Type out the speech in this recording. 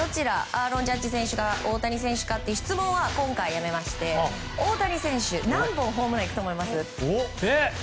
アーロン・ジャッジ選手か大谷選手かという質問は今回、やめまして大谷選手何本ホームラン行くと思います？